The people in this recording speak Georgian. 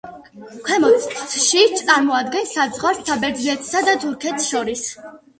ქვემოთში წარმოადგენს საზღვარს საბერძნეთსა და თურქეთს შორის.